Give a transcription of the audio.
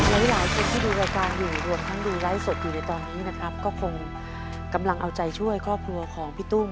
หลายคนที่ดูรายการอยู่รวมทั้งดูไลฟ์สดอยู่ในตอนนี้นะครับก็คงกำลังเอาใจช่วยครอบครัวของพี่ตุ้ม